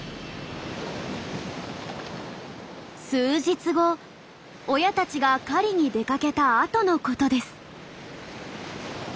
数日後親たちが狩りに出かけた後のことです。